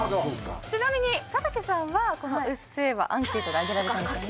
ちなみに佐竹さんはこの『うっせぇわ』アンケートで挙げられてましたね。